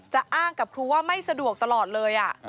อ้างกับครูว่าไม่สะดวกตลอดเลย